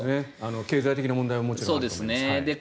経済的な問題はもちろんあると思います。